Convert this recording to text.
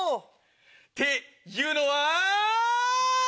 っていうのは！